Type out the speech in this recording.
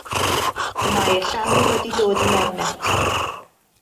Y mae y llanw wedi dod i mewn eto.